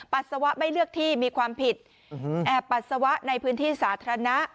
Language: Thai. ปัสสาวะไม่เลือกที่มีความผิดแอบปัสสาวะในพื้นที่สาธารณะ